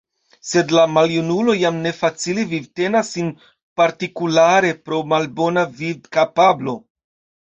Sed la maljunulo jam ne facile vivtenas sin partikulare pro malbona vidkapablo.